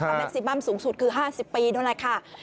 แม็กซิมัมสูงสุดคือ๕๐ปีนั่นแหละค่ะ